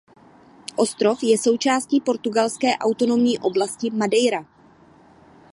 Ostrov je součástí portugalské autonomní oblasti Madeira.